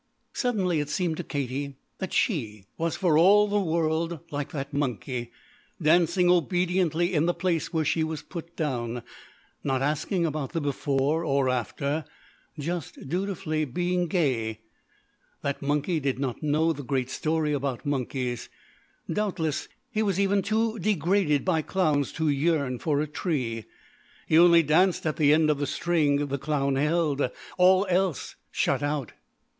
Suddenly it seemed to Katie that she was for all the world like that monkey dancing obediently in the place where she was put down, not asking about the before or after, just dutifully being gay. That monkey did not know the great story about monkeys; doubtless he was even too degraded by clowns to yearn for a tree. He only danced at the end of the string the clown held all else shut out.